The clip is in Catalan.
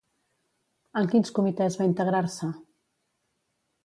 En quins comitès va integrar-se?